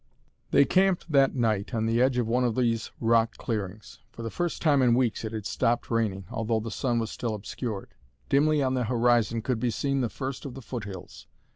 They camped that "night" on the edge of one of these rock clearings. For the first time in weeks it had stopped raining, although the sun was still obscured. Dimly on the horizon could be seen the first of the foothills.